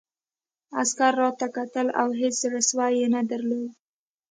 عسکر راته کتل او هېڅ زړه سوی یې نه درلود